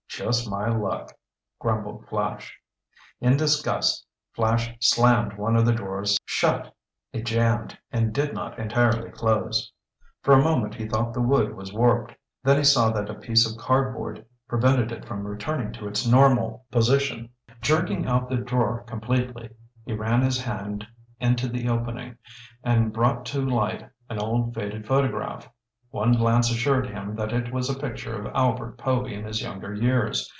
"Just my luck," grumbled Flash. In disgust, Flash slammed one of the drawers shut. It jammed and did not entirely close. For a moment he thought the wood had warped. Then he saw that a piece of cardboard prevented it from returning to its normal position. Jerking out the drawer completely, he ran his hand into the opening, and brought to light an old faded photograph. One glance assured him that it was a picture of Albert Povy in his younger years.